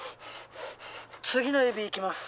「次の指いきます」